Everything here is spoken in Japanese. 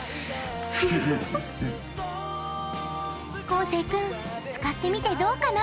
こうせいくん使ってみてどうかな？